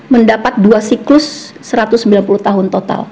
mendapat dua siklus satu ratus sembilan puluh tahun total